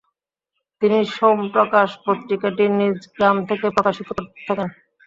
তিনি সোমপ্রকাশ পত্রিকাটি নিজ গ্রাম থেকে প্রকাশিত করতে থাকেন।